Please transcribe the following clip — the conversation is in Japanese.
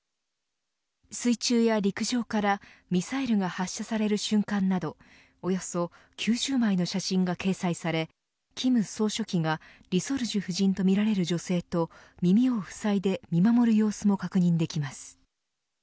水中や陸上からミサイルが発射される瞬間などおよそ９０枚の写真が掲載され金総書記が李雪主夫人とみられる女性と耳をふさいで見守る様子も確認できます。